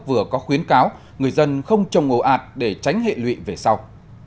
vừa có khuyến cáo người dân không trồng ồ ạt để tránh hệ lụy về sau